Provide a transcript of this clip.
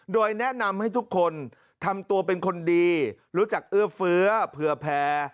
โดยแนะนำให้ทุกคนทำตัวเป็นคนดีรู้จักเอื้อเฟื้อเผื่อแพร